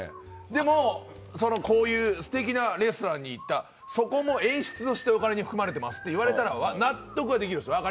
でもすてきなレストランに行った、そこも演出としてお金に含まれていますと言われたら納得はできます。